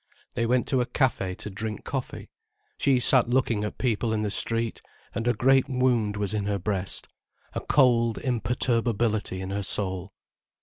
They went to a café to drink coffee, she sat looking at people in the street, and a great wound was in her breast, a cold imperturbability in her soul.